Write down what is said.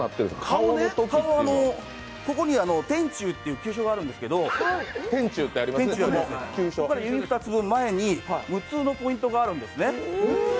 顔は、ここに天中という急所があるんですけどその指２つ分前に無痛のポイントがあるんです。